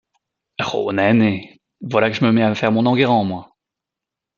Roh, naine, voilà que je me mets à faire mon Enguerrand, moi !